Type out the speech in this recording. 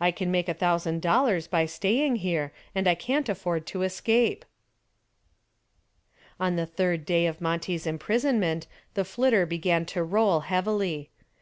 "I can make a thousand dollars by staying here and I can't afford to escape." On the third day of Monty's imprisonment the "Flitter" began to roll heavily.